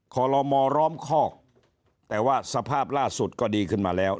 ขอรมอล้อมคอกแต่ว่าสภาพล่าสุดก็ดีขึ้นมาแล้ว